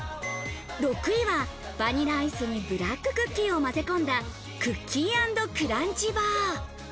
６位はバニラアイスにブラッククッキーをまぜ込んだ、クッキー＆クランチバー。